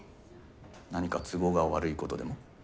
何か都合が悪いことでも？